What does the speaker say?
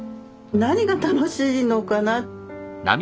何が楽しいのかな。